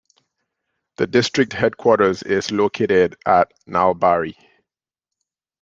The district headquarters is located at Nalbari.